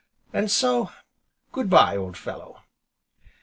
And so, Good bye, old fellow!"